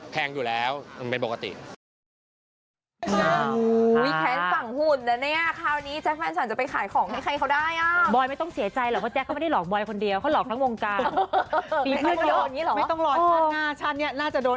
แพงอยู่แล้วมันเป็นปกติ